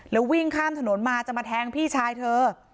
แล้ววิ่งข้ามถนนมาจะมาแทงพี่ชายเธอ